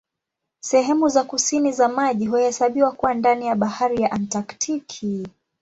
Sehemu za kusini za maji huhesabiwa kuwa ndani ya Bahari ya Antaktiki.